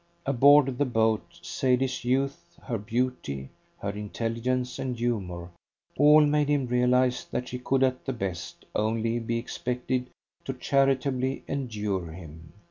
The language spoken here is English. Aboard the boat, Sadie's youth, her beauty, her intelligence and humour, all made him realise that she could at the best only be expected to charitably endure him.